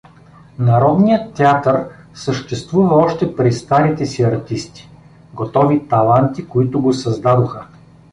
Народният театър съществува още при старите си артисти, готови таланти, които го създадоха.